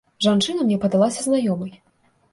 Жанчына мне падалася знаёмай.